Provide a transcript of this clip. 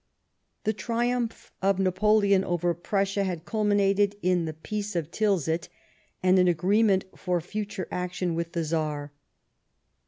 The triumph of Napoleon over Prussia had culminated in the Peace of Tilsit and an agreement for future action with the Czar.